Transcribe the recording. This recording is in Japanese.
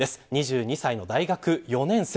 ２２歳の大学４年生。